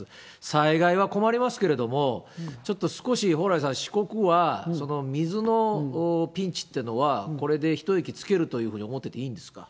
災害は困りますけれども、ちょっと少し蓬莱さん、四国は水のピンチっていうのは、これで一息つけるというふうに思ってていいんですか。